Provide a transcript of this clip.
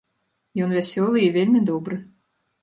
Ён вясёлы і вельмі добры.